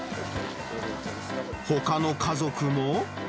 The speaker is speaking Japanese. ほかの家族も。